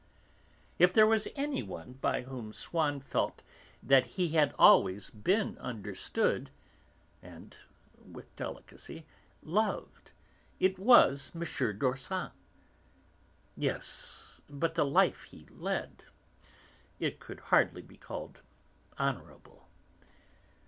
If there was anyone by whom Swann felt that he had always been understood, and (with delicacy) loved, it was M. d'Orsan. Yes, but the life he led; it could hardly be called honourable.